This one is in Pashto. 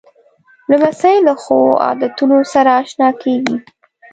لمسی له ښو عادتونو سره اشنا کېږي.